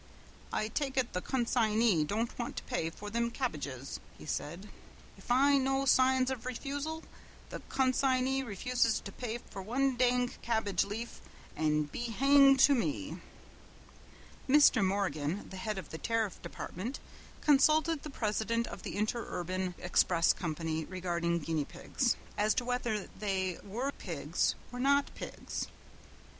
"I take ut the con sign y don't want to pay for thim kebbages," he said. "If I know signs of refusal, the con sign y refuses to pay for wan dang kebbage leaf an' be hanged to me!" Mr. Morgan, the head of the Tariff Department, consulted the president of the Interurban Express Company regarding guinea pigs, as to whether they were pigs or not pigs.